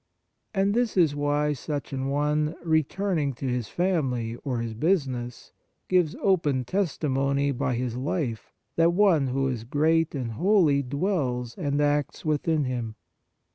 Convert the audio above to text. And this is why such an one, returning to his family or his business, gives open testimony by his life that One who is great and holy dwells 90 Holy Communion and acts within him.